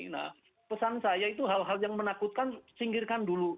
nah pesan saya itu hal hal yang menakutkan singgirkan dulu